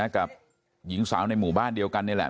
กับหญิงสาวในหมู่บ้านเดียวกันนี่แหละ